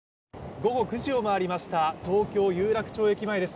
午後９時を回りました、東京・有楽町駅前です。